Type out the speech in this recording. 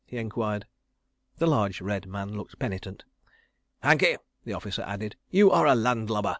he enquired. The large red man looked penitent. "Hankey," the officer added, "you are a land lubber.